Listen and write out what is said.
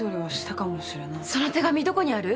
その手紙どこにある？